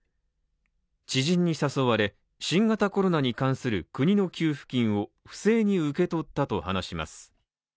知人に誘われ、新型コロナに関する国の給付金を不正に受け取ったと話します。